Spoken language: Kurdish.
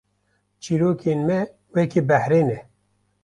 Çîrokên me weke behrê ne